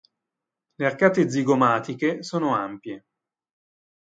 Le arcate zigomatiche sono ampie.